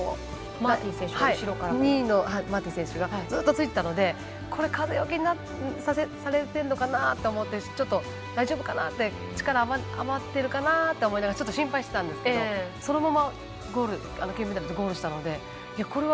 ２位のマーティン選手がずっとついていたので風よけにされてるのかなと思ってちょっと、大丈夫かなって力、余ってるかなって思いながら心配してたんですけどそのまま金メダルでゴールしたのでえ？